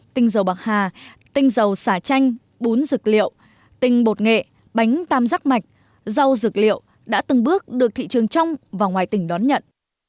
tinh dầu bạc hà tinh dầu xả chanh bún dược liệu tinh bột nghệ bánh tam giác mạch rau dược liệu đã từng bước được thị trường trong và ngoài tỉnh đón nhận